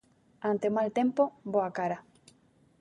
Ante o mal tempo, boa cara.